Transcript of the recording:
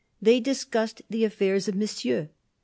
They discussed the affairs of Monsieur.